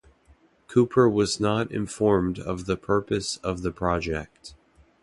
Cooper was not informed of the purpose of the project.